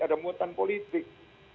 ada muatan politik